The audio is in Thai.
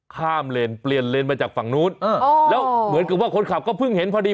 ข้ามเลนเปลี่ยนเลนมาจากฝั่งนู้นแล้วเหมือนกับว่าคนขับก็เพิ่งเห็นพอดี